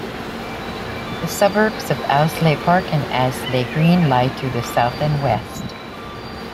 The suburbs of Allesley Park and Allesley Green lie to the south and west.